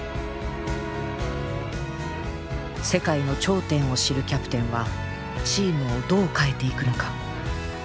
世界の頂点を知るキャプテンはチームをどう変えていくのか。